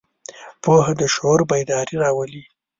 پوهه د شعور بیداري راولي.